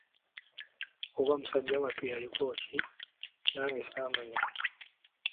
Oba musajja wattu yaliko ki, nange ssamanya!